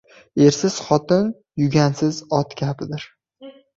• Ersiz xotin yugansiz ot kabidir.